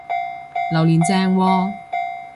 榴槤正喎！